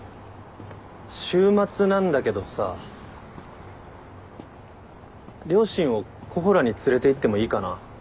週末なんだけどさ両親をＫｏｈｏｌａに連れていってもいいかな？